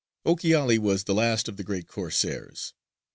Ochiali was the last of the great Corsairs.